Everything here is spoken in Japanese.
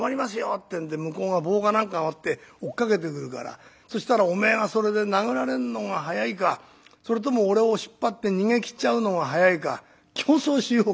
ってんで向こうが棒か何か持って追っかけてくるからそしたらおめえがそれで殴られるのが速いかそれとも俺を引っ張って逃げきっちゃうのが速いか競争しようか」。